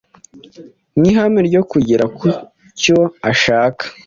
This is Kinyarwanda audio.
nkihame ryo kugera ku cyo ashaka